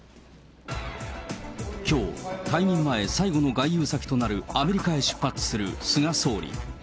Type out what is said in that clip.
きょう、退任前、最後の外遊先となるアメリカへ出発する菅総理。